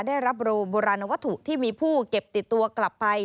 ได้รับรู้โบราณวัตถุที่มีผู้เก็บติดตัวกลับไป